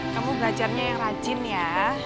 kamu belajarnya yang rajin ya